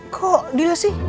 kok dile sih